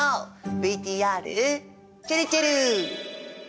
ＶＴＲちぇるちぇる！